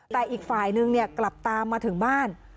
แต่อีกฝ่ายนึงกลับตามมาถึงบ้าน